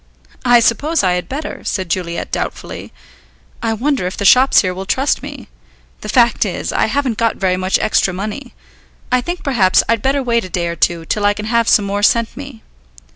"I suppose I had better," said Juliet doubtfully. "I wonder if the shops here will trust me. The fact is, I haven't got very much extra money. I think perhaps I'd better wait a day or two till I can have some more sent me."